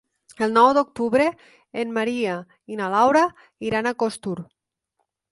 El nou d'octubre en Maria i na Laura iran a Costur.